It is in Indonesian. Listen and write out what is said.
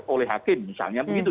oleh hakim misalnya begitu